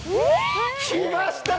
きました！